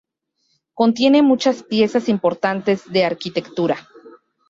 Contiene muchas piezas importantes de arquitectura.